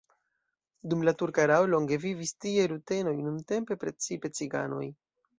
Dum la turka erao longe vivis tie rutenoj, nuntempe precipe ciganoj.